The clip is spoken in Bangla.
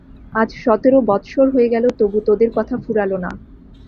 আজ সতেরো বৎসর হয়ে গেল তবু তোদের কথা ফুরালো না।